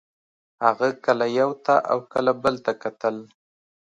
هغه کله یو ته او کله بل ته کتل